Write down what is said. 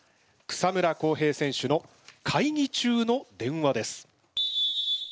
草村航平選手の会議中の電話です。